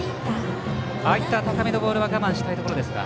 ああいった高めのボール我慢したいところですか。